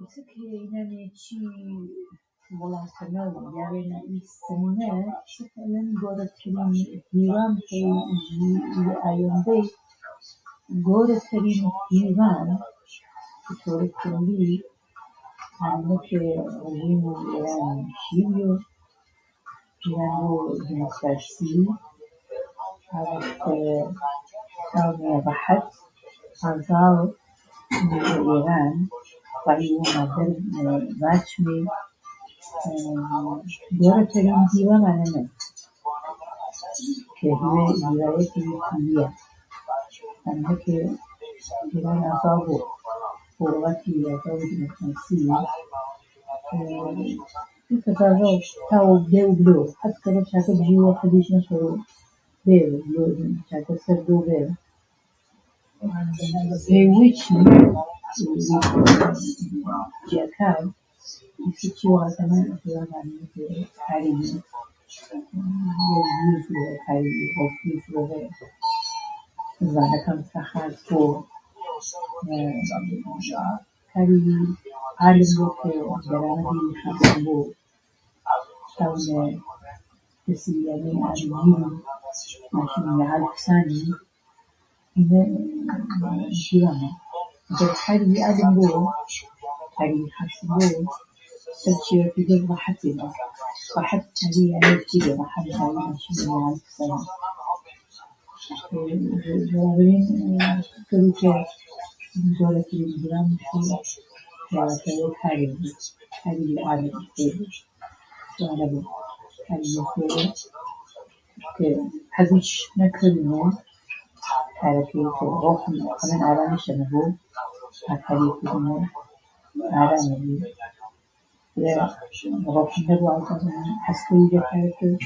ئیسە کە ئینانا چی وەڵاتەنە و یاڤێانا ئی سێننە هیڤام پەی ئایەندەی، گەورەتەرین هیڤام ئانەنە کە رژیموو ئێرانی شیڤیۆ بیاڤۆ دێمۆکراسی ئاڤختە بیاڤمێ پەی ئانەیە کە جە ئێرانەنە وێما ڤاچمێ گەورەترین هیڤام ئانەنە یانێڤ یاڤەی پی چێڤیە ئینە کە ئێران ئازاذ بۆ ئتر گرکەس بتاڤۆ بەی و بلۆ هەر حەز کرۆ چاگە بژیڤۆ حەزیچ نەکەرۆ بێڤە، چاگە سەردۆ بێڤە. پەی وێچم ئمممممم ئمممم ئیسە چی وتڵانە کارێڤی حال بێزوەڤە زڤانەکەم فرە خاس بۆ کارێڤی حالم بۆ دەرامەدێڤی خاسم بۆ بتاڤوونە دەسێڤ یانێ عالێ گێروو ماشینێڤی عال بسانوو پەی ئینەیە چێڤەکێ گرذ رەحەتێ با بەنابەرین چێگە گەورەترین هیڤام پێذا کەرذەو کارێڤیا کارێڤی عال بێزوەڤە. کە حەزیچش چنە کەروونە مەغزم تەقریبەن ئارامشەنە بۆ عەز کەروو جە کارەکەیم